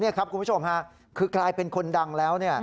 นี่ครับคุณผู้ชมค่ะคือกลายเป็นคนดังแล้ว